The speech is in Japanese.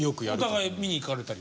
お互い見に行かれたり。